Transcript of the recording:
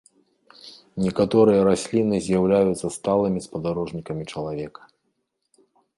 Некаторыя расліны з'яўляюцца сталымі спадарожнікамі чалавека.